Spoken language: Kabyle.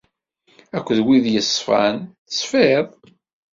Akked win yeṣfan, teṣfiḍ.